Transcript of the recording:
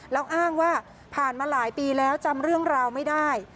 แล้วอ้างว่าผ่านมาหลายปีแล้วจำเรื่องราวไม่ได้